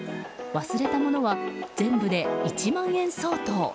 忘れたものは全部で１万円相当。